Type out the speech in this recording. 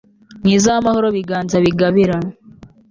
mwiza w'amahoro, biganza bigabira